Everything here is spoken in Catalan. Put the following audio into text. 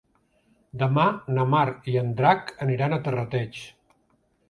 Demà na Mar i en Drac aniran a Terrateig.